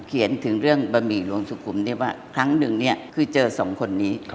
เขียนถึงเรื่องบะหมี่หลวงสุขุมได้ว่าครั้งหนึ่งเนี่ยคือเจอสองคนนี้